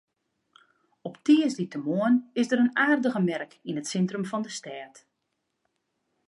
Op tiisdeitemoarn is der in aardige merk yn it sintrum fan de stêd.